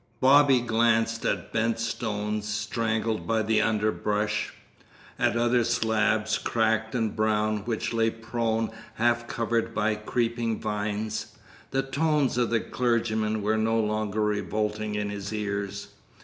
Bobby glanced at bent stones, strangled by the underbrush; at other slabs, cracked and brown, which lay prone, half covered by creeping vines. The tones of the clergyman were no longer revolting in his ears.